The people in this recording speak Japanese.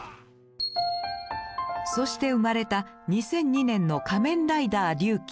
そして生まれた２００２年の「仮面ライダー龍騎」。